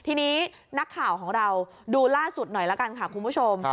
ทีนี้นักข่าวของเราดูล่าสุดหน่อยละกันค่ะคุณผู้ชม